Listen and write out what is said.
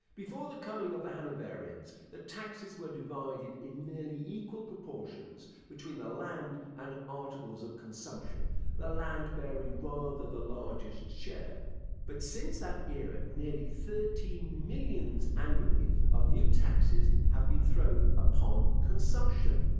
Before the coming of the Hanoverians, the taxes were divided in nearly equal proportions between the land and articles of consumption, the land bearing rather the largest share: but since that era nearly thirteen millions annually of new taxes have been thrown upon consumption.